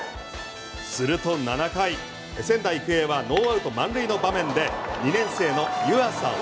すると７回、仙台育英はノーアウト満塁の場面で２年生の湯浅桜